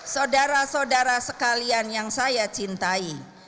saudara saudara sekalian yang saya cintai